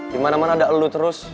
dimana mana ada lo terus